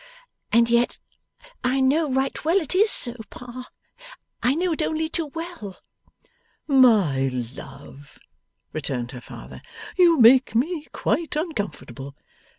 'And yet I know right well it is so, Pa. I know it only too well.' 'My love,' returned her father, 'you make me quite uncomfortable.